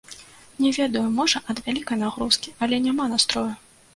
Не ведаю, можа, ад вялікай нагрузкі, але няма настрою!